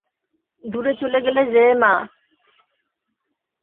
দূরে চলে গেলে যে মা?